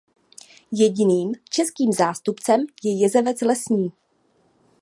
Jediným českým zástupcem je jezevec lesní.